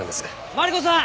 マリコさん！